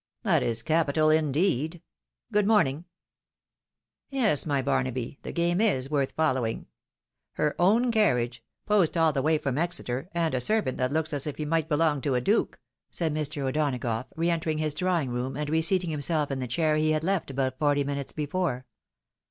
" That is capital, indeed 1 Good morning." it " Yes, my Bamaby, the game is worth following. Her own carriage — ^post all the way from Exeter, and a servant that looks as if he might belong to a duke," said Mr. O'Donagough, re entering his drawing room, and reseating himself in the chair he had left about forty minutes before.